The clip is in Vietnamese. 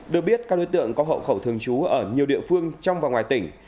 được biết các đối tượng có hậu khẩu thường trú ở nhiều địa phương trong và ngoài tỉnh